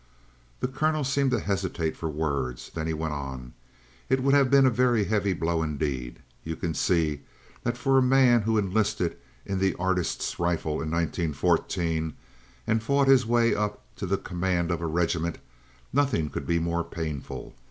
The Colonel seemed to hesitate for words; then he went on: "It would have been a very heavy blow indeed. You can see that for a man who enlisted in the Artists' Rifles in 1914, and fought his way up to the command of a regiment, nothing could be more painful.